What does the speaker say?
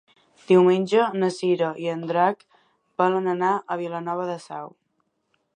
Diumenge na Cira i en Drac volen anar a Vilanova de Sau.